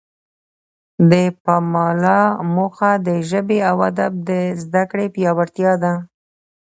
د پملا موخه د ژبې او ادب د زده کړې پیاوړتیا ده.